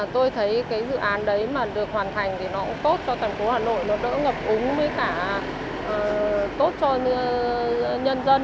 tôi thấy cái dự án đấy mà được hoàn thành thì nó cũng tốt cho thành phố hà nội nó đỡ ngập úng với cả tốt cho nhân dân